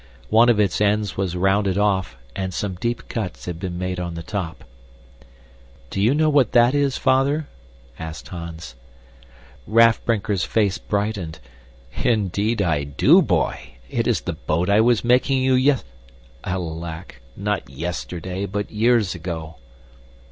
One of its ends was rounded off, and some deep cuts had been made on the top. "Do you know what that is, Father?" asked Hans. Raff Brinker's face brightened. "Indeed I do, boy! It is the boat I was making you yest alack, not yesterday, but years ago."